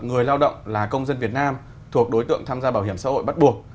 người lao động là công dân việt nam thuộc đối tượng tham gia bảo hiểm xã hội bắt buộc